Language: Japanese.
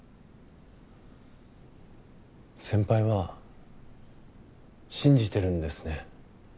先輩は信じてるんですね。